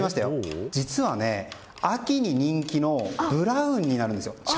実は、秋に人気のブラウンになるんです。